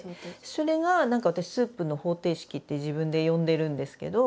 それが何か私「スープの方程式」って自分で呼んでるんですけど。